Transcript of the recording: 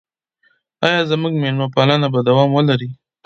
آیا زموږ میلمه پالنه به دوام ولري؟